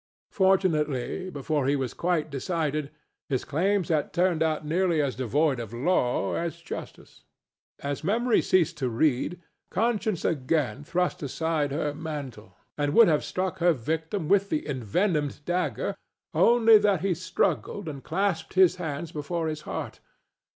Fortunately, before he was quite decided, his claims had turned out nearly as devoid of law as justice. As Memory ceased to read Conscience again thrust aside her mantle, and would have struck her victim with the envenomed dagger only that he struggled and clasped his hands before his heart.